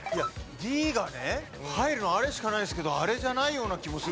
Ｄがね入るのあれしかないんですけどあれじゃないような気もする。